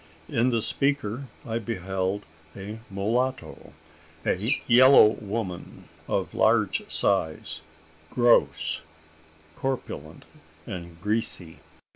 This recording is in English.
In the speaker I beheld a mulatto a yellow woman of large size gross, corpulent, and greasy.